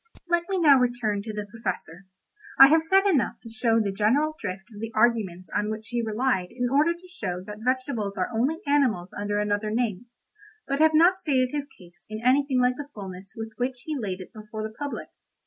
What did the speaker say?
Let me now return to the Professor. I have said enough to show the general drift of the arguments on which he relied in order to show that vegetables are only animals under another name, but have not stated his case in anything like the fullness with which he laid it before the public.